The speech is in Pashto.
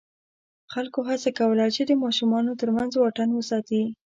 خلکو هڅه کوله چې د ماشومانو تر منځ واټن وساتي.